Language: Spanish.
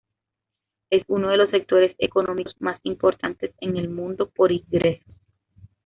Es uno de los sectores económicos más importantes en el mundo por ingresos.